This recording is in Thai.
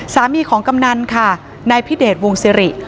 สามีของกำนันต์ในพิเศษวงศ์สรี